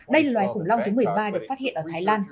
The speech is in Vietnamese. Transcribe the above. đây là loài khủng long thứ một mươi ba được phát hiện ở thái lan